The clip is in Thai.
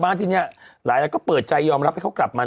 บางคนก็เปิดใจยอมรับให้กลับมา